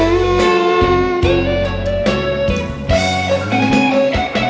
ฮี่